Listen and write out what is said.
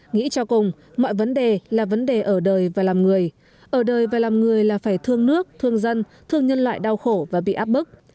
nghĩ cho cùng mọi vấn đề là vấn đề ở đời và làm người ở đời và làm người là phải thương nước thương dân thương nhân loại đau khổ và bị áp bức